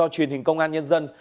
công an nhân dân